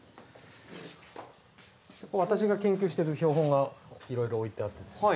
私が研究してる標本がいろいろ置いてあってですね。